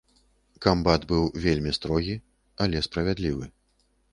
Камбат быў вельмі строгі, але справядлівы.